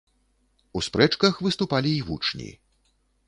У спрэчках выступалі й вучні.